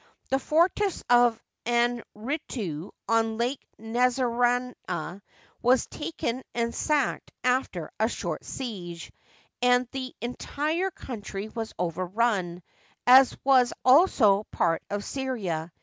The fortress of Anretu, on Lake Nesruna, was taken and sacked after a short siege, and the entire country was overrun, as was also part of Syria.